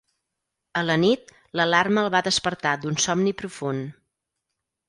A la nit, l'alarma el va despertar d'un somni profund.